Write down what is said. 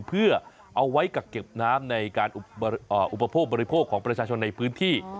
เพื่อเอาไว้กักเก็บน้ำในการอุปโภคบริโภคของประชาชนในพื้นที่